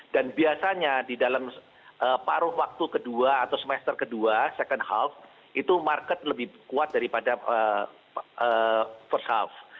dan biasanya di dalam paruh waktu kedua atau semester kedua second half itu market lebih kuat daripada first half